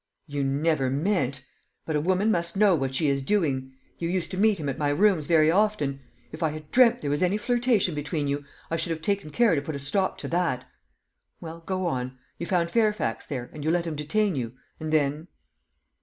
"You never meant! But a woman must know what she is doing. You used to meet him at my rooms very often. If I had dreamt there was any flirtation between you, I should have taken care to put a stop to that. Well, go on. You found Fairfax there, and you let him detain you, and then